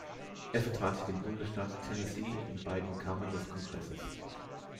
Er vertrat den Bundesstaat Tennessee in beiden Kammern des Kongresses.